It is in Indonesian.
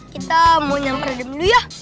kita mau nyamperin dulu ya